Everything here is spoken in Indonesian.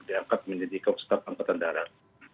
diangkat menjadi kepala staf angkatan darat